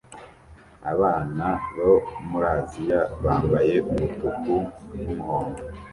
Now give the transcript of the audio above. Abana bo muri Aziya bambaye umutuku n'umuhondo